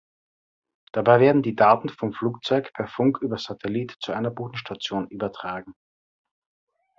Dabei werden die Daten vom Flugzeug per Funk über Satellit zu einer Bodenstation übertragen.